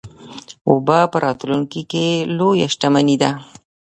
اوبه په راتلونکي کې لویه شتمني ده.